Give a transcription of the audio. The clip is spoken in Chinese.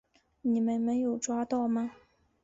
你们没有抓到吗？